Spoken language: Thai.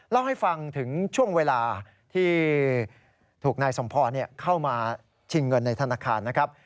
เล่าให้ฟังถึงช่วงเวลาที่ถูกนายสมพรเข้ามาชิงเงินในธนาคารนะครับ